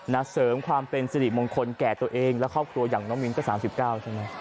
เสริมความเป็นสิริมงคลแก่ตัวเองและครอบครัวอย่างน้องมิ้นก็๓๙ใช่ไหม